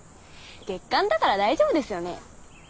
月刊だから大丈夫ですよね。